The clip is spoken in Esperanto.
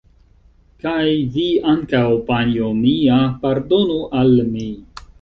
Kaj vi ankaŭ, panjo mia, pardonu al mi!